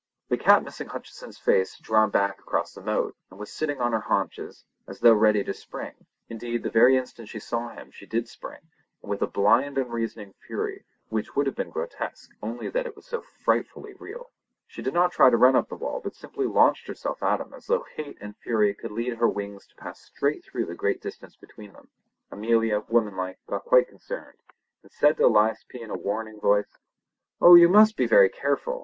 The cat missing Hutcheson's face had drawn back across the moat, and was sitting on her haunches as though ready to spring. Indeed, the very instant she saw him she did spring, and with a blind unreasoning fury, which would have been grotesque, only that it was so frightfully real. She did not try to run up the wall, but simply launched herself at him as though hate and fury could lend her wings to pass straight through the great distance between them. Amelia, womanlike, got quite concerned, and said to Elias P. in a warning voice: "Oh! you must be very careful.